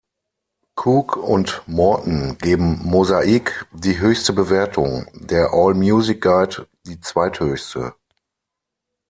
Cook und Morton geben "Mosaic" die höchste Bewertung, der "All Music Guide" die zweithöchste.